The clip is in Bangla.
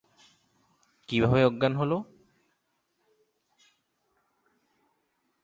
কীভাবে অজ্ঞান হলো?